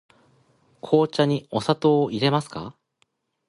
紅茶にお砂糖をいれますか。